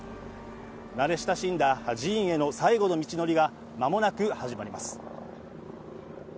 慣れ親しんだ寺院への最後の道のりがまもなく始まります。